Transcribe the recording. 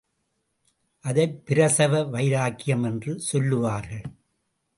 அதைப் பிரசவ வைராக்கியம் என்று சொல்லுவார்கள்.